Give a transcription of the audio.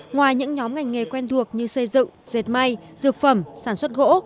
ngoài những nhóm ngành nghề quen thuộc như xây dựng dệt may dược phẩm sản xuất gỗ